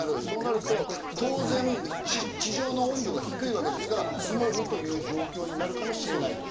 そうなると当然、地上の温度が低いわけですから積もるという状況になるかもしれない。